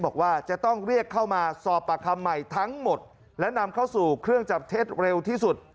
บอกว่าจะต้องเรียกเข้ามาสอบปากคำใหม่ทั้งหมดและนำเข้าสู่เครื่องจับเท็จเร็วที่สุด